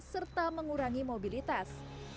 serta mengurangi mobilitas